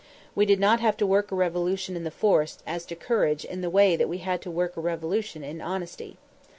We did not have to work a revolution in the force as to courage in the way that we had to work a revolution in honesty.